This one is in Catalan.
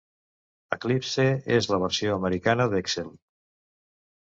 Eclipse és la versió americana d'Excel.